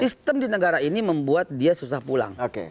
sistem di negara ini membuat dia susah pulang